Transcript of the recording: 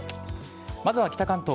まずは北関東。